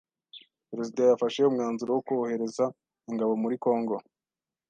Perezida yafashe umwanzuro wo kohereza ingabo muri kongo